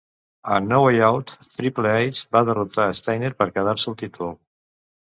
A No Way Out, Triple H va derrotar Steiner per quedar-se el títol.